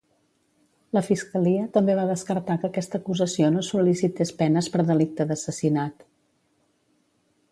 La Fiscalia també va descartar que aquesta acusació no sol·licités penes per delicte d'assassinat.